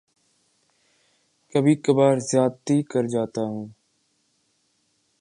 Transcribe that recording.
کبھی کبھار زیادتی کر جاتا ہوں